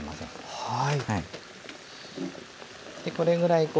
はい。